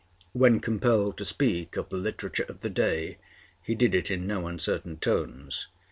When compelled to speak of the literature of the day, he did it in no uncertain tones.